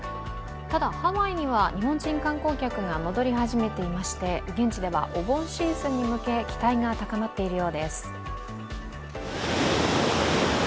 ただ、ハワイには日本人観光客が戻り始めていまして現地ではお盆シーズンに向け期待が高まっているようです。